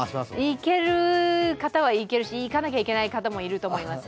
いける方はいけるし、いかなきゃいけない方はいると思います。